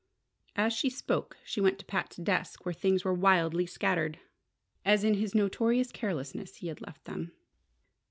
As she spoke she went to Pat's desk, where things were wildly scattered, as in his notorious carelessness he had left them.